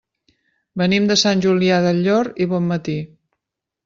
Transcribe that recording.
Venim de Sant Julià del Llor i Bonmatí.